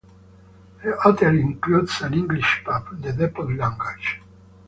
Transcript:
The hotel includes an English pub, The Depot Lounge.